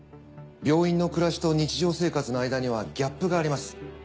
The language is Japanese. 病院の暮らしと日常生活の間にはギャップがあります。